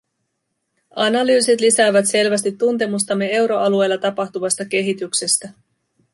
Analyysit lisäävät selvästi tuntemustamme euroalueella tapahtuvasta kehityksestä.